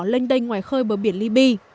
lênh đênh ngoài khơi bờ biển libi